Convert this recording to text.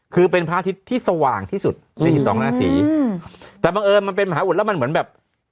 คือเป็นพระอาทิตย์ที่สว่างที่สุดในสิบสองราศีอืมแต่บังเอิญมันเป็นมหาอุดแล้วมันเหมือนแบบ